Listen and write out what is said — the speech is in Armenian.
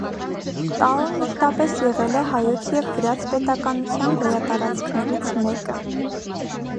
Տաոն մշտապես եղել է հայոց և վրաց պետականության գոյատարածքներից մեկը։